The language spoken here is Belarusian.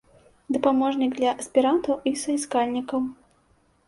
Дапаможнік для аспірантаў і саіскальнікаў.